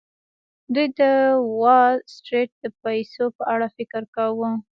دوی د وال سټریټ د پیسو په اړه فکر کاوه